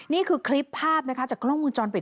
นี่คือคลิปภาพจากกระทั่งมือจรปิด